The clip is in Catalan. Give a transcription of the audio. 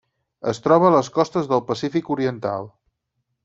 Es troba a les costes del Pacífic Oriental.